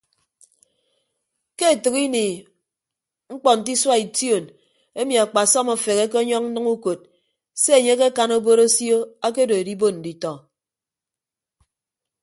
Ke etәk ini mkpọ nte isua ition emi akpasọm afeheke ọnyọñ nnʌñ ukod se enye akekan obod osio akedo edibon nditọ.